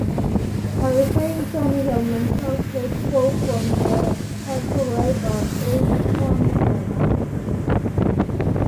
Qualifying saw Nigel Mansell take pole from title rival Ayrton Senna.